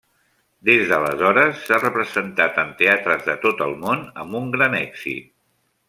Des d'aleshores s'ha representat en teatres de tot el món amb un gran èxit.